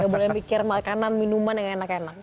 gak boleh mikir makanan minuman yang enak enak